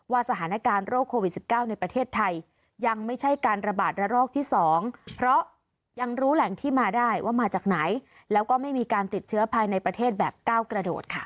สถานการณ์โรคโควิด๑๙ในประเทศไทยยังไม่ใช่การระบาดระรอกที่๒เพราะยังรู้แหล่งที่มาได้ว่ามาจากไหนแล้วก็ไม่มีการติดเชื้อภายในประเทศแบบก้าวกระโดดค่ะ